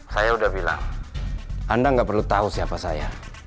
saya udah bilang anda nggak perlu tahu siapa saya